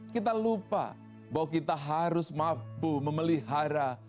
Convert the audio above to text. kita lupa bahwa kita harus mampu memelihara